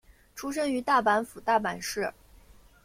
出身于大阪府大阪市。